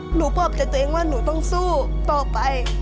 หนูพบจากตัวเองว่าหนูต้องสู้โตไป